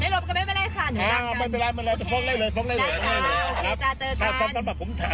วิทยอุไปเหรอเหรอวิทยศว่าว่าเจ็บเหรอ